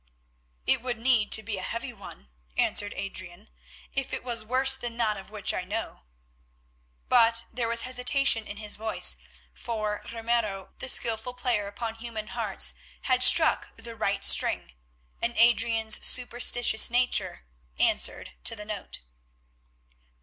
"It would need to be a heavy one," answered Adrian, "if it was worse than that of which I know." But there was hesitation in his voice, for Ramiro, the skilful player upon human hearts, had struck the right string, and Adrian's superstitious nature answered to the note.